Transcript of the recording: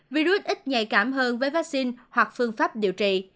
virus ít nhạy cảm hơn với vaccine hoặc phương pháp điều trị